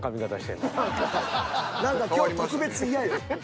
何か今日特別嫌よ。